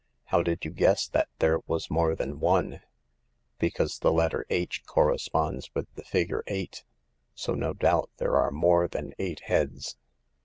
How did you guess that there was more than one ?"" Because the letter *H ' corresponds with the figure eight ; so no doubt there are more than eight heads.